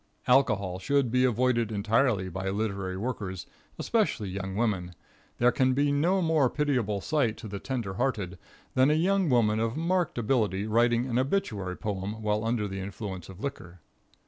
Alcohol should be avoided entirely by literary workers, especially young women. There can be no more pitiable sight to the tender hearted, than a young woman of marked ability writing an obituary poem while under the influence of liquor.